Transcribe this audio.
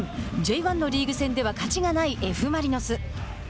Ｊ１のリーグ戦では勝ちがない、Ｆ・マリノス。